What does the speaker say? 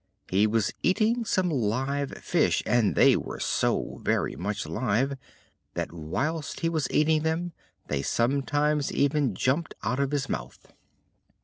He was eating some live fish, and they were so very much alive that whilst he was eating them they sometimes even jumped out of his mouth.